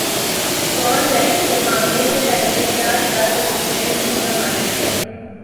Dawn leaks کے معاملے سے پہلے کیا کیا تقریریں نہیں فرماتے تھے۔